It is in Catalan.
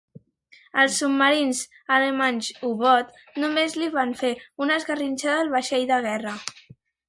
Els submarins alemanys U-boot només li van fer una esgarrinxada al vaixell de guerra.